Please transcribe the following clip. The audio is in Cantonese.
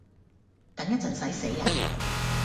等一陣洗死呀？